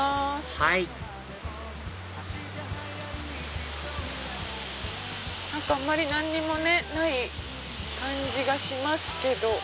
はい何かあんまり何もない感じがしますけど。